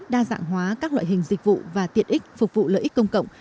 đa dạng hóa các loại hình dịch vụ và tiện ích phục vụ lợi ích công cộng